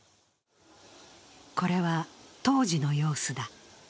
これは当時の様子だ。